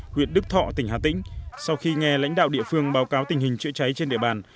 huyện đức thọ tỉnh hà tĩnh sau khi nghe lãnh đạo địa phương báo cáo tình hình chữa cháy trên địa bàn